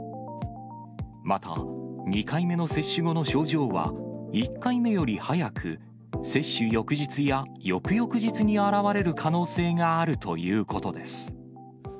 また、２回目の接種後の症状は１回目より早く、接種翌日や翌々日に現れる可能性があるということです。